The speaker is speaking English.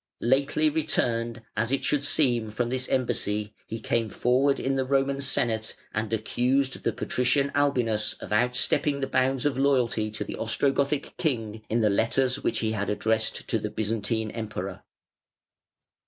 Lately returned, as it should seem, from this embassy, he came forward in the Roman Senate and accused the Patrician Albinus of outstepping the bounds of loyalty to the Ostrogothic King in the letters which he had addressed to the Byzantine Emperor.